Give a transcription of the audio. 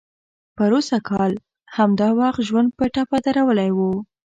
پروسږ کال همدا وخت ژوند په ټپه درولی و.